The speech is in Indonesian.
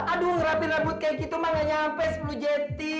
aduh rapihin rambut kayak gitu mah gak nyampe sepuluh jeti